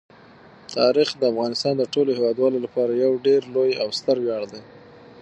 تاریخ د افغانستان د ټولو هیوادوالو لپاره یو ډېر لوی او ستر ویاړ دی.